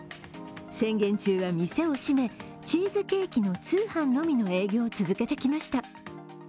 宣言中は店を閉め、チーズケーキの通販のみの営業を続けてきました。